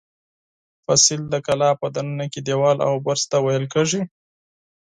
فصیل د کلا په دننه کې دېوال او برج ته ویل کېږي.